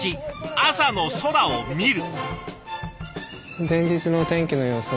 朝の空を見る。